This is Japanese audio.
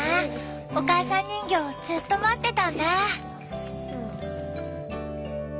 お母さん人形ずっと待ってたんだぁ。